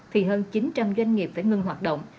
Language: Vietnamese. thì hơn chín trăm linh doanh nghiệp phải ngừng hoạt động